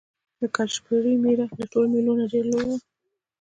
د کلشپورې مېله له ټولو مېلو نه ډېره لویه وه.